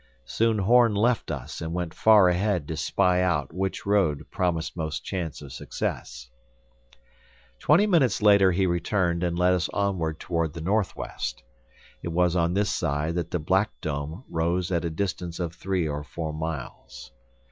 Soon Horn left us and went far ahead to spy out which road promised most chance of success. Twenty minutes later he returned and led us onward toward the northwest. It was on this side that the Black Dome rose at a distance of three or four miles.